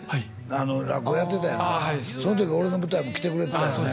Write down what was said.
あの落語やってたやんかそのとき俺の舞台も来てくれてたよね